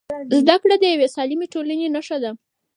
زده کړه د یوې سالمې ټولنې نښه ده.